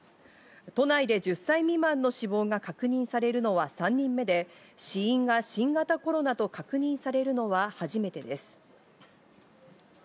都内で１０歳未満の死亡が確認されるのは３人目で、死因が新型コロナと確認されるのは初めてです。